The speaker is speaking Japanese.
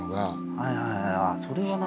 はいはい。